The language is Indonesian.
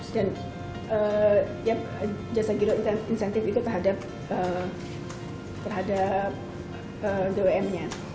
dan jasa giro insentif itu terhadap dwm nya